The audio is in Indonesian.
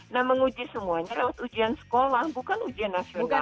nah menguji semuanya lewat ujian sekolah bukan ujian nasional